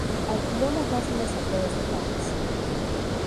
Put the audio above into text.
Alquiló una casa en las afueras de París.